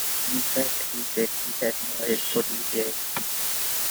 In fact, he said, he had no head for detail.